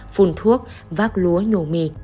phùn thuốc vác lúa nhổ mì